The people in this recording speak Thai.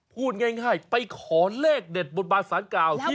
พูดง่ายไปขอเลขเด็ดบนบาทศาสตร์เก่าที่นี่